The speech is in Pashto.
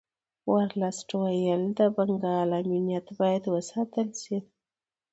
ورلسټ ویل د بنګال امنیت باید وساتل شي.